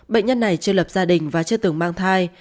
bệnh nhân này chưa lập gia đình và chưa từng mang thai